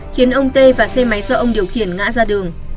khiến ông tê và xe máy do ông điều khiển ngã ra đường